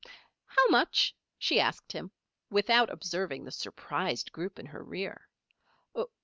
"How much?" she asked him, without observing the surprised group in her rear.